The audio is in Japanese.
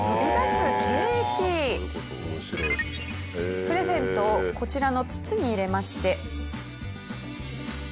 プレゼントをこちらの筒に入れまして。